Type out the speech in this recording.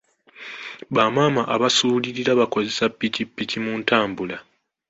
Bamaama abasulirira bakozesa ppikipiki mu ntambula.